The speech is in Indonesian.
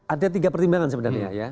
ada tiga pertimbangan sebenarnya ya